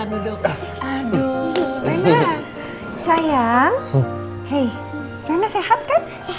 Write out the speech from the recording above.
hey rena sehat kan